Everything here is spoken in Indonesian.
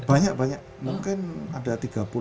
banyak banyak mungkin ada tiga puluh empat puluh